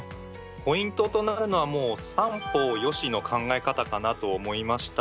ポイントとなるのはもう三方よしの考え方かなと思いました。